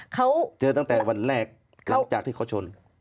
เขาเจอตั้งแต่วันแรกหลังจากที่เขาชน